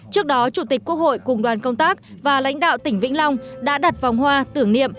trước đó chủ tịch quốc hội cùng đoàn công tác và lãnh đạo tỉnh vĩnh long đã đặt vòng hoa tưởng niệm